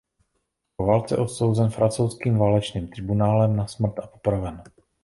Po válce odsouzen francouzským válečným tribunálem na smrt a popraven.